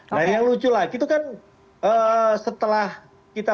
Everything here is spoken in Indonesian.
nah yang lucu lagi itu kan setelah kita